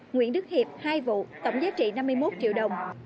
nguyễn đức hiệp hai vụ tổng giá trị năm mươi một triệu đồng